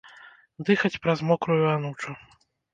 Дыхаць праз мокрую анучу.